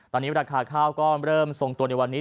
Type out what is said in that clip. ตอนนี้ราคาข้าวก็เริ่มทรงตัวในวันนี้